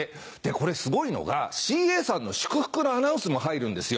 これすごいのがＣＡさんの祝福のアナウンスも入るんですよ。